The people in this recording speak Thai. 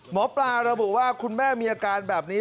หมอปลาระบุว่าคุณแม่มีอาการแบบนี้